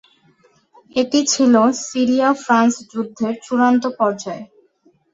এটি ছিল সিরিয়া-ফ্রান্স যুদ্ধের চূড়ান্ত পর্যায়।